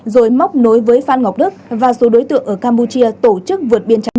rồi móc nối với phan ngọc đức và số đối tượng ở campuchia tổ chức vượt biên trái